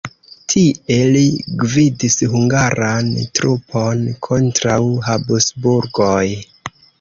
Tie li gvidis hungaran trupon kontraŭ Habsburgoj.